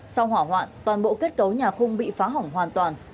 sau hỏa hoạn toàn bộ kết cấu nhà khung bị phá hỏng hoàn toàn